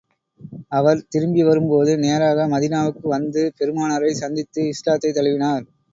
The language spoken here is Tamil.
அவர் திரும்பி வரும் போது நேராக மதீனாவுக்கு வந்து பெருமானாரைச் சந்தித்து, இஸ்லாத்தைத் தழுவினார்.